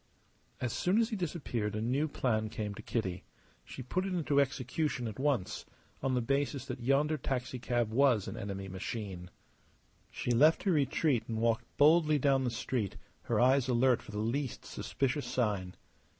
As soon as he disappeared a new plan came to Kitty. She put it into execution at once, on the basis that yonder taxicab was an enemy machine. She left her retreat and walked boldly down the street, her eyes alert for the least suspicious sign.